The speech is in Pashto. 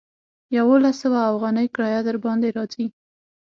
يوولس سوه اوغانۍ کرايه درباندې راځي.